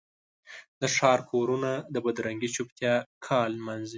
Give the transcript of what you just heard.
د ښار کورونه د بدرنګې چوپتیا کال نمانځي